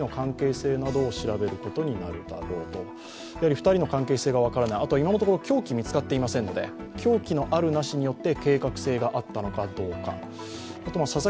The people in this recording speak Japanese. ２人の関係性がわからない、今のところ凶器が見つかっていない凶器のあるなしによって、計画性があったのかどうか。